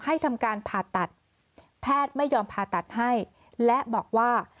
ทำการผ่าตัดแพทย์ไม่ยอมผ่าตัดให้และบอกว่า